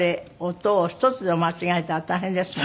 音を１つでも間違えたら大変ですものね。